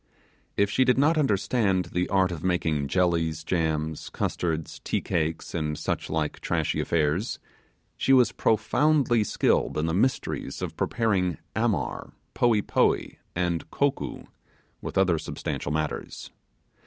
If she did not understand the art of making jellies, jams, custard, tea cakes, and such like trashy affairs, she was profoundly skilled in the mysteries of preparing 'amar', 'poee poee', and 'kokoo', with other substantial matters.